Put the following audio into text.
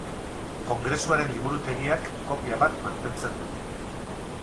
Kongresuaren Liburutegiak kopia bat mantentzen du.